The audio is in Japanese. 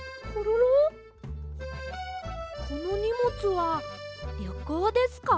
このにもつはりょこうですか？